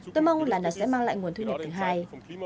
tôi mong là nó sẽ mang lại nguồn thu nhập thứ hai